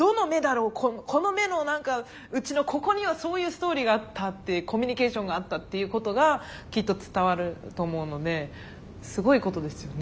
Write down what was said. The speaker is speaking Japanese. この目の何かうちのここにはそういうストーリーがあったってコミュニケーションがあったっていうことがきっと伝わると思うのですごいことですよね